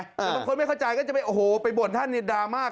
แต่บางคนไม่เข้าใจก็จะไปโอ้โหไปบ่นท่านนี่ดราม่า